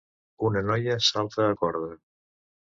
Una noia salta a corda.